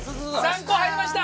３個入りました。